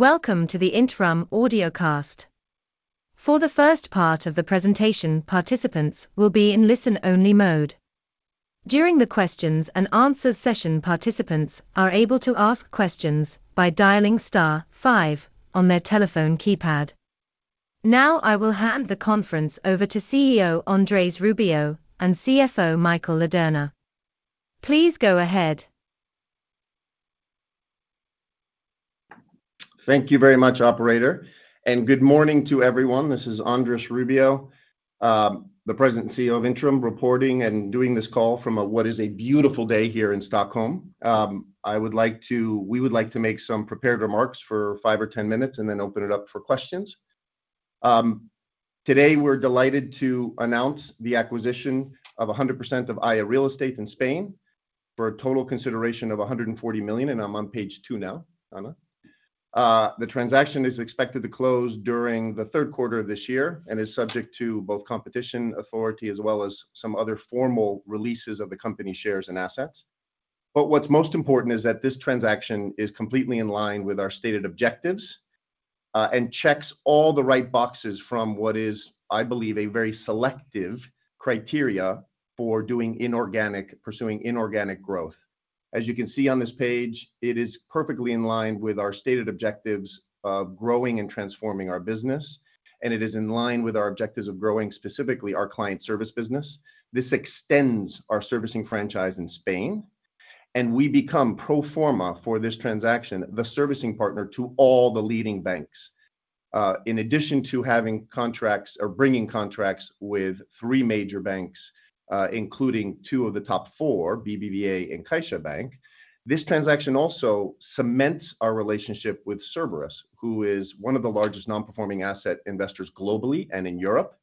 Welcome to the Intrum Audiocast. For the first part of the presentation, participants will be in listen-only mode. During the questions and answers session, participants are able to ask questions by dialing star 5 on their telephone keypad. Now I will hand the conference over to CEO Andrés Rubio and CFO Michael Ladurner. Please go ahead. Thank you very much, operator. Good morning to everyone. This is Andrés Rubio, the President and CEO of Intrum reporting and doing this call from a what is a beautiful day here in Stockholm. I would like to make some prepared remarks for 5 or 10 minutes and then open it up for questions. Today we're delighted to announce the acquisition of 100% of Haya Real Estate in Spain for a total consideration of 140 million. I'm on page 2 now, Anna. The transaction is expected to close during the third 1/4 of this year and is subject to both competition authority as well as some other formal releases of the company shares and assets. What's most important is that this transaction is completely in line with our stated objectives and checks all the right boxes from what is, I believe, a very selective criteria for pursuing inorganic growth. As you can see on this page, it is perfectly in line with our stated objectives of growing and transforming our business, and it is in line with our objectives of growing, specifically our client service business. This extends our servicing franchise in Spain, and we become pro forma for this transaction, the servicing partner to all the leading banks. In addition to having contracts or bringing contracts with 3 major banks, including 2 of the top 4, BBVA and CaixaBank. This transaction also cements our relationship with Cerberus, who is 1 of the largest non-performing asset investors globally and in Europe,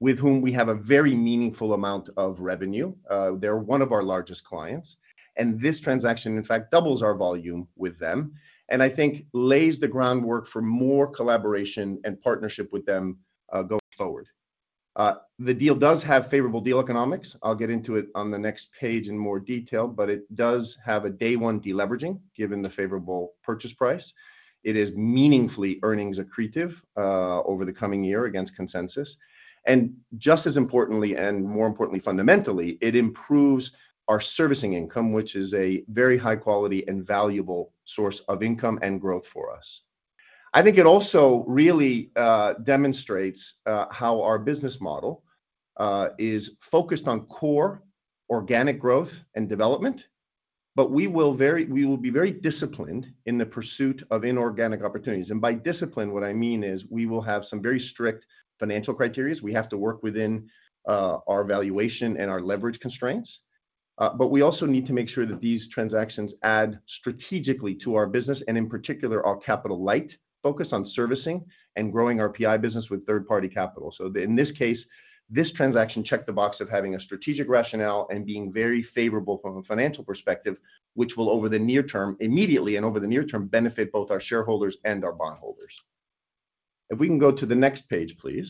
with whom we have a very meaningful amount of revenue. They're 1 of our largest clients, and this transaction, in fact, doubles our volume with them, and I think lays the groundwork for more collaboration and partnership with them going forward. The deal does have favorable deal economics. I'll get into it on the next page in more detail, but it does have a day 1 deleveraging, given the favorable purchase price. It is meaningfully earnings accretive over the coming year against consensus. Just as importantly and more importantly fundamentally, it improves our servicing income, which is a very high quality and valuable source of income and growth for us. I think it also really demonstrates how our business model is focused on core organic growth and development. We will be very disciplined in the pursuit of inorganic opportunities. By discipline, what I mean is we will have some very strict financial criteria. We have to work within our valuation and our leverage constraints, but we also need to make sure that these transactions add strategically to our business and in particular our capital light focus on servicing and growing our PI business with third-party capital. In this case, this transaction checked the box of having a strategic rationale and being very favorable from a financial perspective, which will over the near term immediately and over the near term, benefit both our shareholders and our bondholders. If we can go to the next page, please.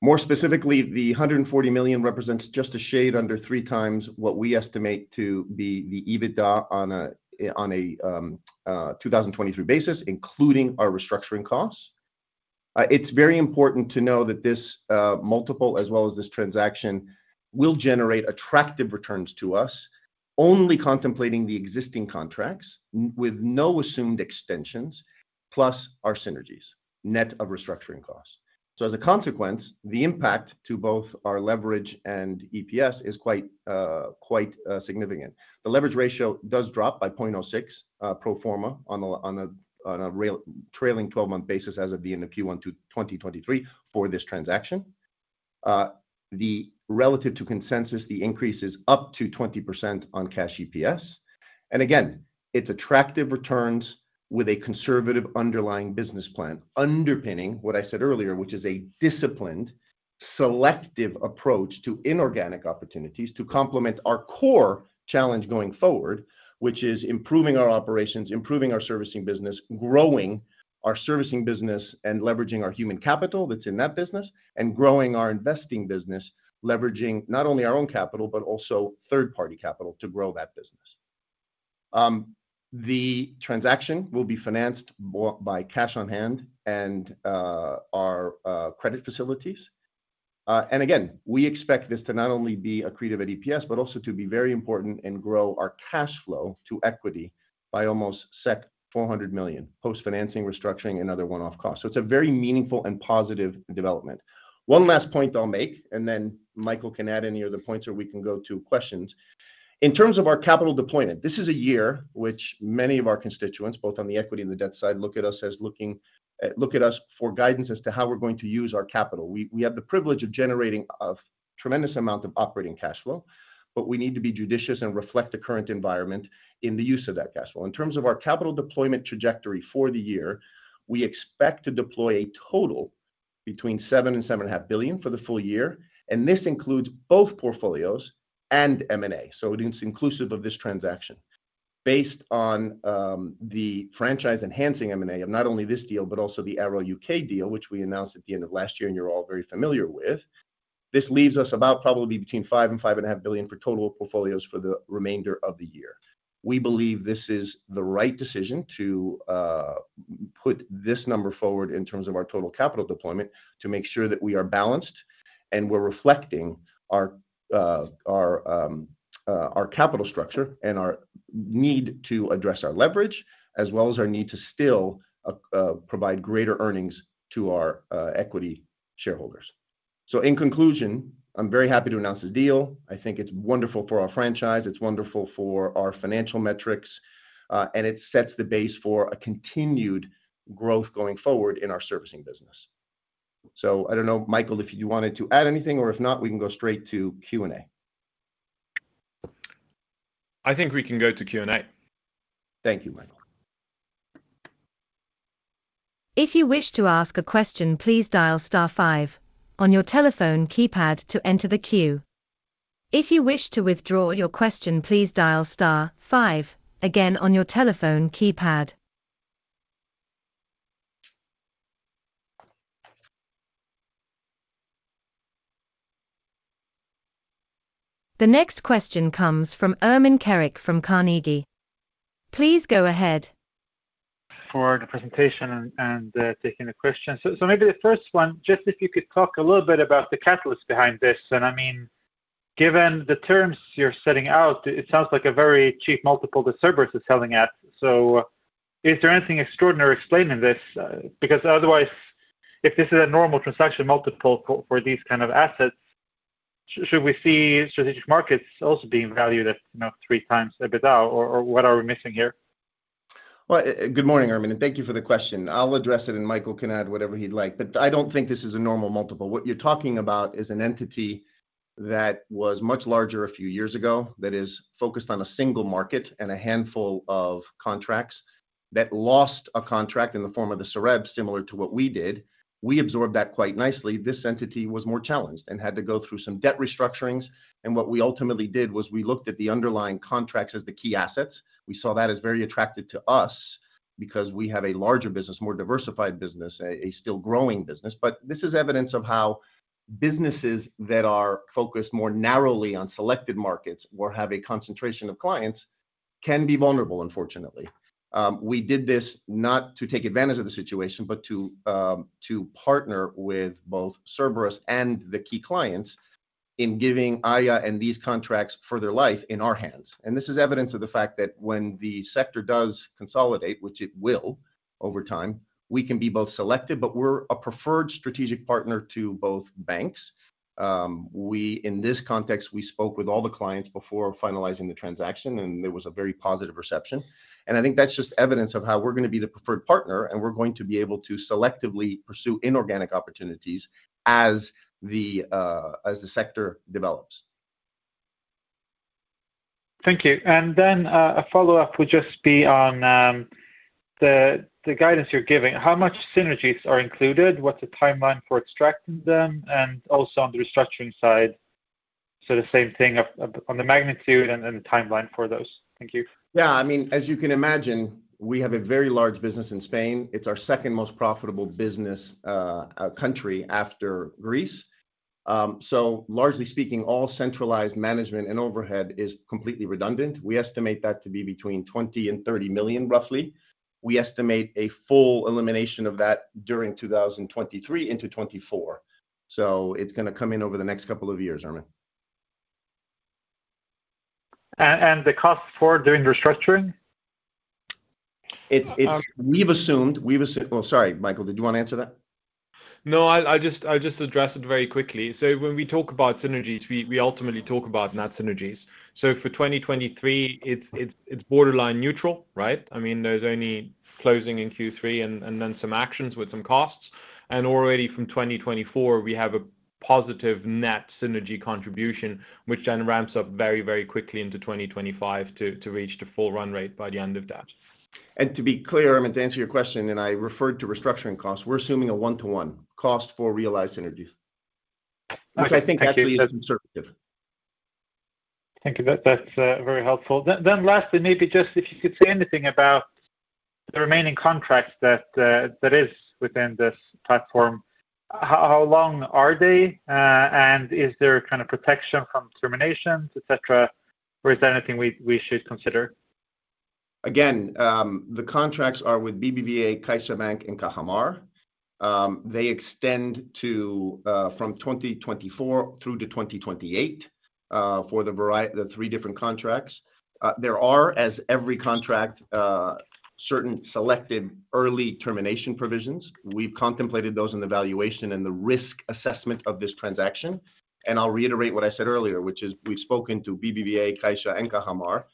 More specifically, the 140 million represents just a shade under 3x what we estimate to be the EBITDA on a 2023 basis, including our restructuring costs. It's very important to know that this multiple as well as this transaction will generate attractive returns to us only contemplating the existing contracts with no assumed extends plus our synergies net of restructuring costs. As a consequence, the impact to both our leverage and EPS is quite significant. The leverage ratio does drop by 0.06 pro forma on a trailing twelve-month basis as of the end of Q1 2023 for this transaction. The relative to consensus, the increase is up to 20% on Cash EPS. It's attractive returns with a conservative underlying business plan underpinning what I said earlier, which is a disciplined, selective approach to inorganic opportunities to complement our core challenge going forward, which is improving our operations, improving our servicing business, growing our servicing business, and leveraging our human capital that's in that business. Growing our investing business, leveraging not only our own capital but also third-party capital to grow that business. The transaction will be financed by cash on hand and our credit facilities. We expect this to not only be accretive at EPS, but also to be very important and grow our cash flow to equity by almost 400 million post financing, restructuring, and other 1-off costs. It's a very meaningful and positive development. 1 last point I'll make. Then Michael can add any other points or we can go to questions. In terms of our capital deployment, this is a year which many of our constituents, both on the equity and the debt side, look at us for guidance as to how we're going to use our capital. We have the privilege of generating a tremendous amount of operating cash flow. We need to be judicious and reflect the current environment in the use of that cash flow. In terms of our capital deployment trajectory for the year, we expect to deploy a total between 7 billion and 7.5 billion for the full year. This includes both portfolios and M&A. It is inclusive of this transaction. Based on the franchise-enhancing M&A of not only this deal, but also the Arrow UK deal, which we announced at the end of last year and you're all very familiar with. This leaves us about probably between 5 billion and 5.5 billion for total portfolios for the remainder of the year. We believe this is the right decision to put this number forward in terms of our total capital deployment to make sure that we are balanced and we're reflecting our capital structure and our need to address our leverage, as well as our need to still provide greater earnings to our equity shareholders. In conclusion, I'm very happy to announce this deal. I think it's wonderful for our franchise, it's wonderful for our financial metrics, and it sets the base for a continued growth going forward in our servicing business. I don't know, Michael, if you wanted to add anything, or if not, we can go straight to Q&A. I think we can go to Q&A. Thank you, Michael. If you wish to ask a question, please dial star 5 on your telephone keypad to enter the queue. If you wish to withdraw your question, please dial star 5 again on your telephone keypad. The next question comes from Erman Orgun from Carnegie. Please go ahead. For the presentation and taking the questions. Maybe the first 1, just if you could talk a little bit about the catalyst behind this. I mean, given the terms you're setting out, it sounds like a very cheap multiple that Cerberus is selling at. Is there anything extraordinary explaining this? Because otherwise, if this is a normal transaction multiple for these kind of assets, should we see strategic markets also being valued at, you know, 3 times the EBITDA, or what are we missing here? Good morning, Erman, and thank you for the question. I'll address it, and Michael can add whatever he'd like. I don't think this is a normal multiple. What you're talking about is an entity that was much larger a few years ago, that is focused on a single market and a handful of contracts that lost a contract in the form of the Sareb, similar to what we did. We absorbed that quite nicely. This entity was more challenged and had to go through some debt restructurings. What we ultimately did was we looked at the underlying contracts as the key assets. We saw that as very attractive to us because we have a larger business, more diversified business, a still growing business. This is evidence of how businesses that are focused more narrowly on selected markets or have a concentration of clients can be vulnerable, unfortunately. We did this not to take advantage of the situation, but to partner with both Cerberus and the key clients in giving Haya and these contracts for their life in our hands. This is evidence of the fact that when the sector does consolidate, which it will over time, we can be both selected, but we're a preferred strategic partner to both banks. We, in this context, we spoke with all the clients before finalizing the transaction, and there was a very positive reception. I think that's just evidence of how we're going to be the preferred partner, and we're going to be able to selectively pursue inorganic opportunities as the sector develops. Thank you. A follow-up would just be on the guidance you're giving. How much synergies are included, what's the timeline for extracting them, and also on the restructuring side, so the same thing on the magnitude and then the timeline for those. Thank you. Yeah. I mean, as you can imagine, we have a very large business in Spain. It's our second most profitable business, country after Greece. Largely speaking, all centralized management and overhead is completely redundant. We estimate that to be between 20 million and 30 million, roughly. We estimate a full elimination of that during 2023 into 2024. It's gonna come in over the next couple of years, Erman. The cost for doing restructuring? We've assumed, Oh, sorry, Michael, did you want to answer that? I'll just address it very quickly. When we talk about synergies, we ultimately talk about net synergies. For 2023, it's borderline neutral, right? I mean, there's only closing in Q3 and then some actions with some costs. Already from 2024, we have a positive net synergy contribution, which then ramps up very, very quickly into 2025 to reach the full run rate by the end of that. To be clear, Erman, to answer your question, and I referred to restructuring costs, we're assuming a one-to-one cost for realized synergies. I think actually is conservative. Thank you. That, that's very helpful. Lastly, maybe just if you could say anything about the remaining contracts that is within this platform, how long are they? Is there kind of protection from terminations, et cetera, or is there anything we should consider? The contracts are with BBVA, CaixaBank, and Cajamar. They extend from 2024 through to 2028 for the variety, the 3 different contracts. There are, as every contract, certain selected early termination provisions. We've contemplated those in the valuation and the risk assessment of this transaction. I'll reiterate what I said earlier, which is we've spoken to BBVA, Caixa, and Cajamar.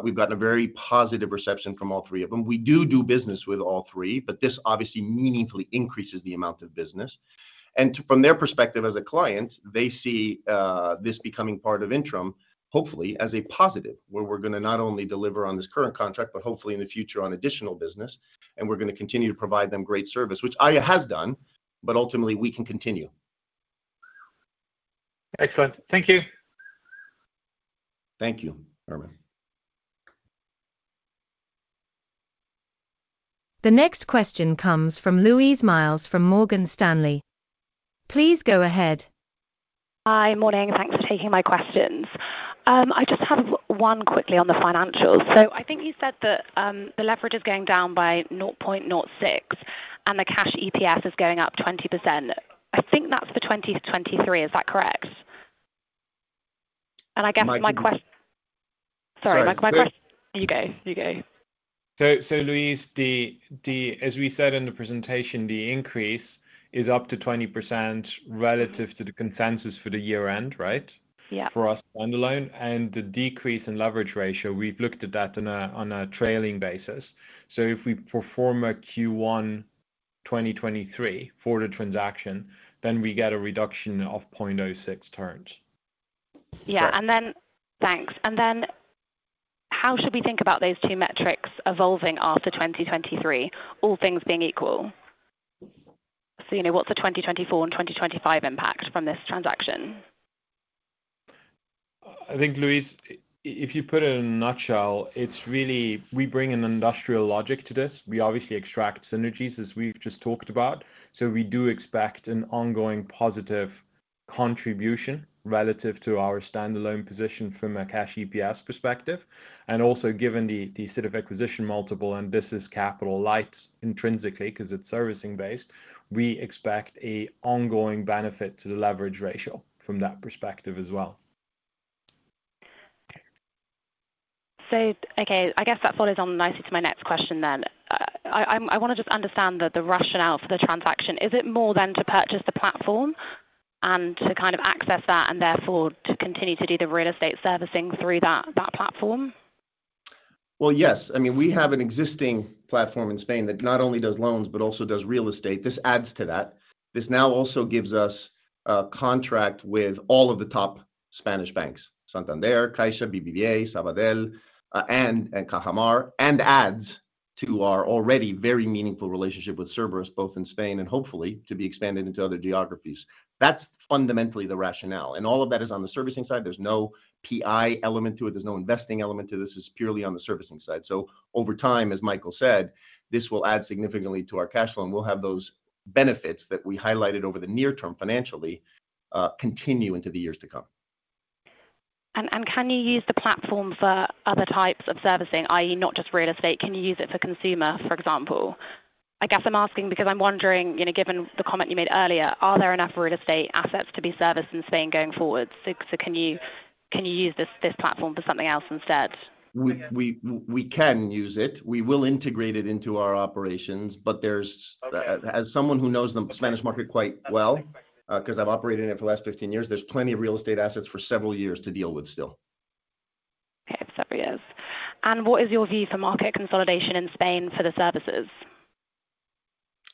We've gotten a very positive reception from all 3 of them. We do business with all 3, but this obviously meaningfully increases the amount of business. From their perspective as a client, they see this becoming part of Intrum, hopefully as a positive, where we're gonna not only deliver on this current contract, but hopefully in the future on additional business, and we're gonna continue to provide them great service. Which Haya has done, but ultimately we can continue. Excellent. Thank you. Thank you, Erman. The next question comes from Louis Miles from Morgan Stanley. Please go ahead. Hi. Morning. Thanks for taking my questions. I just have 1 quickly on the financials. I think you said that the leverage is going down by 0.06 and the Cash EPS is going up 20%. I think that's for 2023, is that correct? I guess my. Might be- Sorry. Sorry. Please. You go, you go. Louis, as we said in the presentation, the increase is up to 20% relative to the consensus for the year-end, right? Yeah. For us stand-alone. The decrease in leverage ratio, we've looked at that on a trailing basis. If we perform a Q1 2023 for the transaction, then we get a reduction of 0.06 turns. Yeah. So- Thanks. How should we think about those 2 metrics evolving after 2023, all things being equal? You know, what's the 2024 and 2020 impact from this transaction? I think, Louis, if you put it in a nutshell, it's really we bring an industrial logic to this. We obviously extract synergies, as we've just talked about. We do expect an ongoing positive contribution relative to our standalone position from a cash EPS perspective. Also given the sort of acquisition multiple and this is capital light intrinsically 'cause it's servicing based, we expect a ongoing benefit to the leverage ratio from that perspective as well. Okay, I guess that follows on nicely to my next question then. I wanna just understand the rationale for the transaction. Is it more than to purchase the platform and to kind of access that and therefore to continue to do the real estate servicing through that platform? Well, yes. I mean, we have an existing platform in Spain that not only does loans but also does real estate. This adds to that. This now also gives us a contract with all of the top Spanish banks, Santander, Caixa, BBVA, Sabadell, and Cajamar, and adds to our already very meaningful relationship with Cerberus, both in Spain and hopefully to be expanded into other geographies. That's fundamentally the rationale. All of that is on the servicing side. There's no PI element to it. There's no investing element to this. This is purely on the servicing side. Over time, as Michael said, this will add significantly to our cash flow, and we'll have those benefits that we highlighted over the near term financially, continue into the years to come. Can you use the platform for other types of servicing, i.e., not just real estate, can you use it for consumer, for example? I guess I'm asking because I'm wondering, you know, given the comment you made earlier, are there enough real estate assets to be serviced in Spain going forward? Can you use this platform for something else instead? We can use it. We will integrate it into our operations. As someone who knows the Spanish market quite well, 'cause I've operated in it for the last 15 years, there's plenty of real estate assets for several years to deal with still. Okay, several years. What is your view for market consolidation in Spain for the services?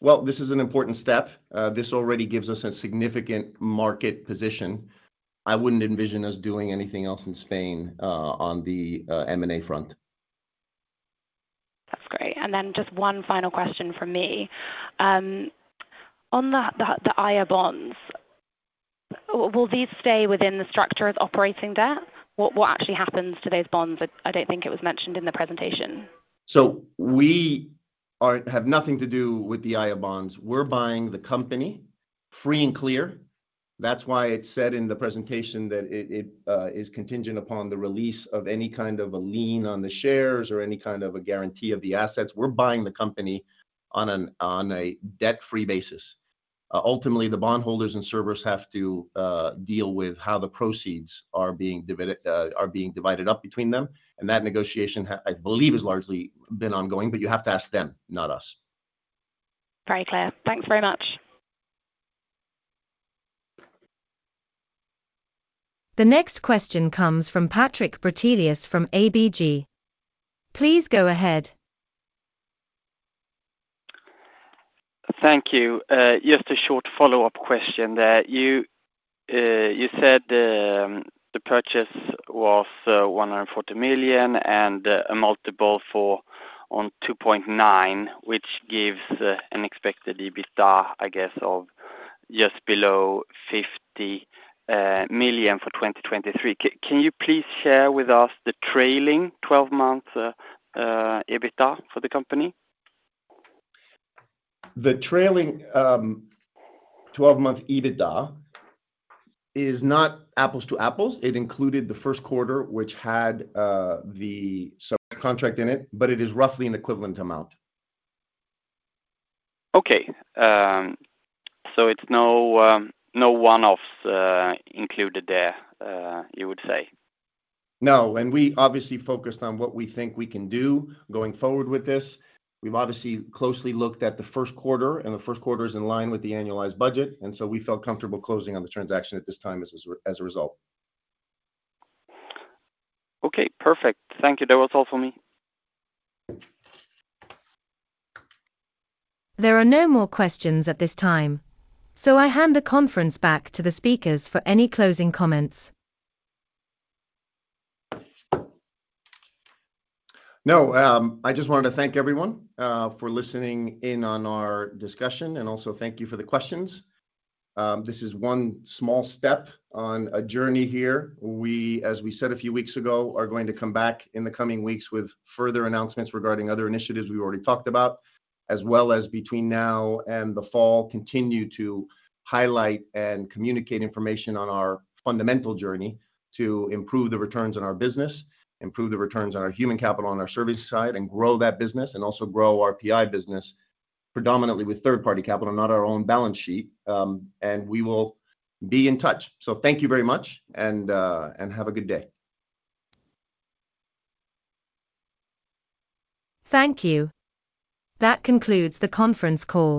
Well, this is an important step. This already gives us a significant market position. I wouldn't envision us doing anything else in Spain, on the M&A front. That's great. Then just 1 final question from me. On the Haya bonds, will these stay within the structure of operating debt? What actually happens to those bonds? I don't think it was mentioned in the presentation. We have nothing to do with the Haya bonds. We're buying the company free and clear. That's why it said in the presentation that it is contingent upon the release of any kind of a lien on the shares or any kind of a guarantee of the assets. We're buying the company on a debt-free basis. Ultimately, the bond holders and Cerberus have to deal with how the proceeds are being divided up between them, and that negotiation, I believe, has largely been ongoing, but you have to ask them, not us. Very clear. Thanks very much. The next question comes from Patrik Brattelius from ABG. Please go ahead. Thank you. Just a short follow-up question there. You said the purchase was 140 million and a multiple of 2.9, which gives an expected EBITDA, I guess, of just below 50 million for 2023. Can you please share with us the trailing twelve-month EBITDA for the company? The trailing, 12-month EBITDA is not apples to apples. It included the 1st 1/4, which had, the subcontract in it, but it is roughly an equivalent amount. Okay. It's no 1-off included there, you would say? No. We obviously focused on what we think we can do going forward with this. We've obviously closely looked at the first 1/4, and the first 1/4 is in line with the annualized budget, and so we felt comfortable closing on the transaction at this time as a result. Okay, perfect. Thank you. That was all for me. There are no more questions at this time. I hand the conference back to the speakers for any closing comments. No, I just wanted to thank everyone for listening in on our discussion and also thank you for the questions. This is 1 small step on a journey here. We, as we said a few weeks ago, are going to come back in the coming weeks with further announcements regarding other initiatives we already talked about, as well as between now and the fall, continue to highlight and communicate information on our fundamental journey to improve the returns on our business, improve the returns on our human capital on our service side, and grow that business, and also grow our PI business, predominantly with third-party capital, not our own balance sheet. We will be in touch. Thank you very much and have a good day. Thank you. That concludes the conference call.